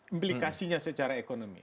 implikasinya secara ekonomi